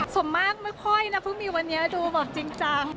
สมมากเมื่อพ่อยนะพวกมีวันนี้ดูแบบจริงจัง